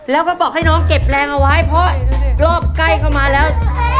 แล้วก็บอกให้น้องเก็บแรงเอาไว้เพราะรอบใกล้เข้ามาแล้ว